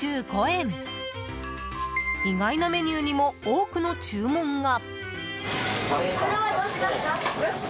意外なメニューにも多くの注文が。